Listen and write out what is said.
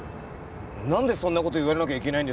なんでそんな事言われなきゃいけないんですか。